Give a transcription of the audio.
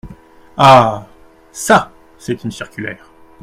Ah ! çà, c’est une circulaire…